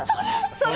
それ！